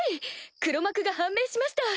黒幕が判明しました！